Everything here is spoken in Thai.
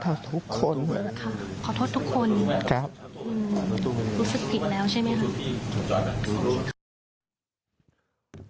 ครับขอโทษทุกคนรู้สึกผิดแล้วใช่ไหมครับขอโทษดูดู